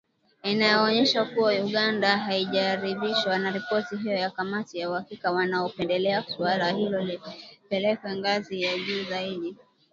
Inaonyesha kuwa Uganda haijaridhishwa na ripoti hiyo ya kamati ya uhakiki na wanapendelea suala hilo lipelekwe ngazi ya juu zaidi.